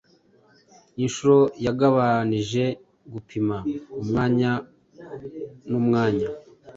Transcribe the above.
Inshuro yagabanije gupima Umwanya n'umwanya